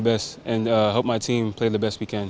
dan semoga tim saya bisa memainkan yang terbaik